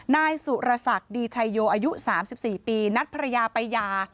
นายสุรศักดิ์ดีชัยโยอายุ๓๔ปีนัดภรรยาไปยา